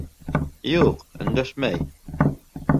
Юҡ, өндәшмәй.